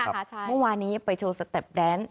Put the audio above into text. เมื่อวานี้ไปโชว์สเต็ปแดน